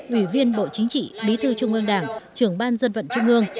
ủy viên bộ chính trị bí thư trung ương đảng trưởng ban dân vận trung ương